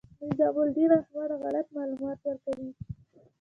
نظام الدین احمد غلط معلومات ورکوي.